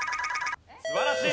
素晴らしい！